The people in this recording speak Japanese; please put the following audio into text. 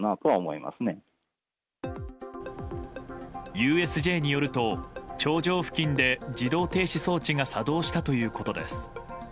ＵＳＪによると頂上付近で自動停止装置が作動したということです。